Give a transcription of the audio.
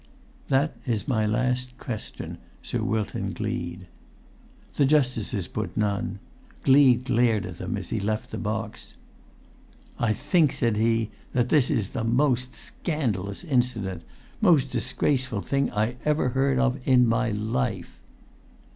"That is my last question, Sir Wilton Gleed." The justices put none. Gleed glared at them as he left the box. "I think," said he, "that this is the most scandalous incident—most disgraceful thing I ever heard of in my life!"